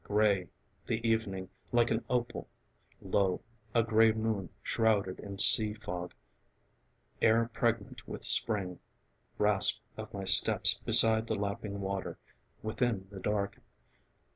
Grey The evening, like an opal; low, A grey moon shrouded in sea fog: Air pregnant with spring; rasp of my steps Beside the lapping water; within The dark.